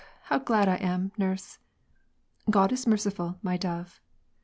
how glad T am, nurse." '" Grod is merciful, my dove."